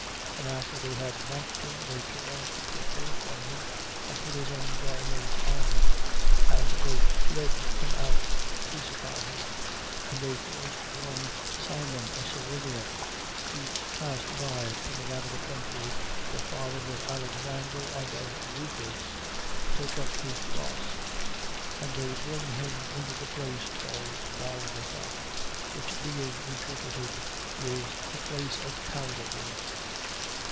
15:20. And after they had mocked him, they took off the purple from him and put his own garments on him: and they led him out to crucify him. 15:21. And they forced one Simon a Cyrenian, who passed by coming out of the country, the father of Alexander and of Rufus, to take up his cross. 15:22. And they bring him into the place called Golgotha, which being interpreted is, The place of Calvary.